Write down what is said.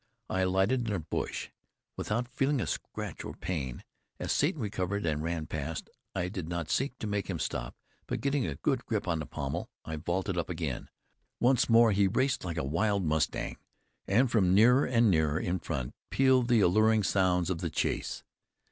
I alighted in a bush, without feeling of scratch or pain. As Satan recovered and ran past, I did not seek to make him stop, but getting a good grip on the pommel, I vaulted up again. Once more he raced like a wild mustang. And from nearer and nearer in front pealed the alluring sounds of the chase.